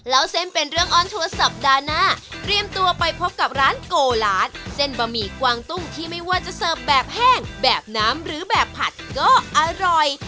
แล้วเส้นเป็นเรื่องออนทัวร์สัปดาห์หน้าเตรียมตัวไปพบกับร้านโกลานเส้นบะหมี่กวางตุ้งที่ไม่ว่าจะเสิร์ฟแบบแห้งแบบน้ำหรือแบบผัดก็อร่อย